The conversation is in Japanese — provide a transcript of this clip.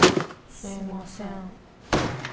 すいません